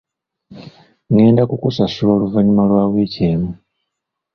Ngenda kukusasula oluvannyuma lwa wiiki emu.